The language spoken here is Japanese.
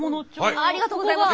ありがとうございます。